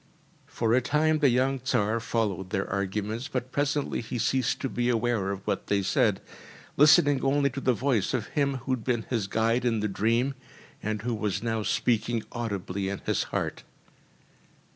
For a time the young Tsar followed their arguments, but presently he ceased to be aware of what they said, listening only to the voice of him who had been his guide in the dream, and who was now speaking audibly in his heart.